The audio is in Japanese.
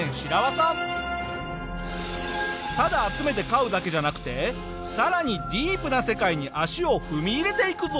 ただ集めて飼うだけじゃなくて更にディープな世界に足を踏み入れていくぞ！